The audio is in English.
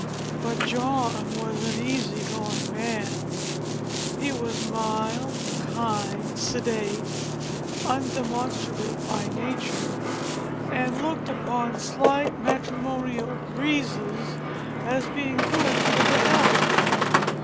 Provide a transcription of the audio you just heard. But John was an easy going man. He was mild, kind, sedate, undemonstrative by nature, and looked upon slight matrimonial breezes as being good for the health.